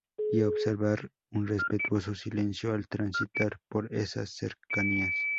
Y observar un respetuoso silencio al transitar por esas cercanías.